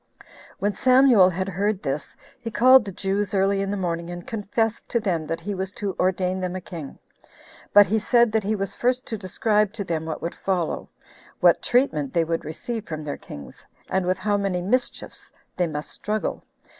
5. When Samuel had heard this, he called the Jews early in the morning, and confessed to them that he was to ordain them a king; but he said that he was first to describe to them what would follow, what treatment they would receive from their kings, and with how many mischiefs they must struggle.